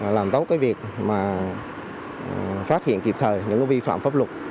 làm tốt cái việc mà phát hiện kịp thời những vi phạm pháp luật